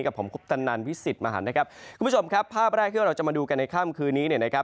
กับผมคุณผู้ชมครับภาพแรกที่เราจะมาดูกันในค่ำคืนนี้นะครับ